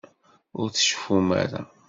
Ur tceffum ara.